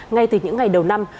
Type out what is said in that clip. ngay từ những ngày đầu năm